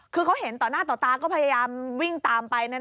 คือเขาเห็นต่อหน้าต่อตาก็พยายามวิ่งตามไป